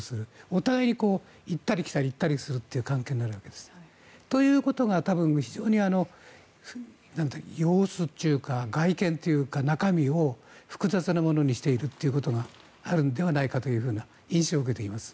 お互いに行った来たりする関係になるわけです。ということが非常に様子っていうか外見というか中身を複雑なものにしているということがあるのではないかというような印象を受けています。